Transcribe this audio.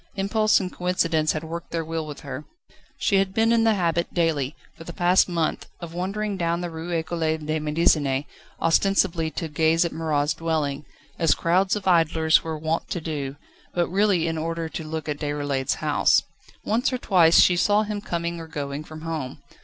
Impulse and coincidence had worked their will with her. She had been in the habit, daily, for the past month, of wandering down the Rue Ecole de Médecine, ostensibly to gaze at Marat's dwelling, as crowds of idlers were wont to do, but really in order to look at Déroulède's house. Once or twice she saw him coming or going from home.